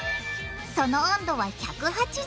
その温度は１８０℃！